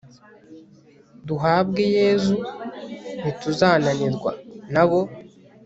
duhabwa yezu ntituzananirwa. n'abo